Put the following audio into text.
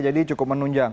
jadi cukup menunjang